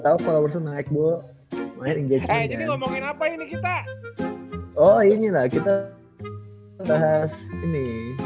tahu kalau bersenang senang ngomongin apa ini kita oh ini lah kita bahas ini